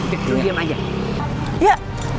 ya diam aja